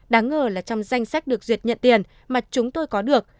đáng ngờ là trong danh sách được duyệt nhận tiền mà chúng tôi có được